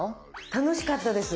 楽しかったです。